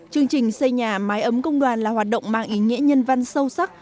chương trình xây nhà mái ấm công đoàn là hoạt động mang ý nghĩa nhân văn sâu sắc